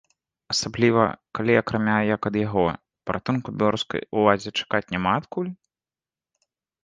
Асабліва, калі акрамя як ад яго, паратунку беларускай уладзе чакаць няма адкуль?